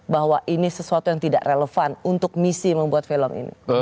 bahwa ini sesuatu yang tidak relevan untuk misi membuat film ini